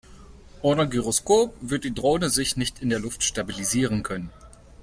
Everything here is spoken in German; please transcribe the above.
Ohne Gyroskop wird die Drohne sich nicht in der Luft stabilisieren können.